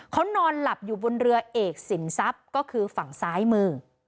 เขานอนหลับอยู่บนเรือเอกสินทรัพย์ก็คือฝั่งซ้ายมือ